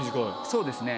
そうですね。